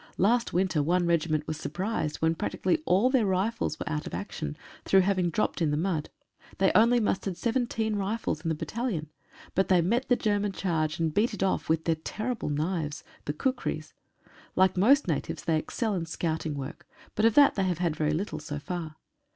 Last winter one regiment was surprised, when practically all their rifles were out of action through having dropped in the mud. They only mustered seventeen rifles in the bat talion, but they met the German charge and beat it off with their terrible knives — the kukris. Like most natives they excel in scouting work, but of that they have had very little so far.